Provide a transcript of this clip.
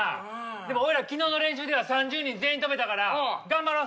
でも俺ら昨日の練習では３０人全員跳べたから頑張ろう！